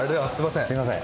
すみません。